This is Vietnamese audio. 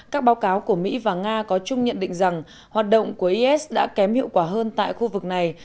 các báo cáo của mỹ và nga có chung nhận định rằng hoạt động của is đã kém hiệu quả hơn tại khu vực này